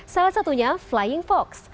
salah satunya flying fox